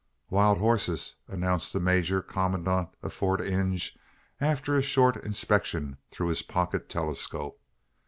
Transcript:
"Wild horses!" announced the major commandant of Fort Inge, after a short inspection through his pocket telescope.